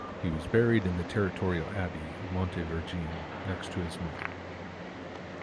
He was buried in the Territorial Abbey of Montevergine, next to his mother.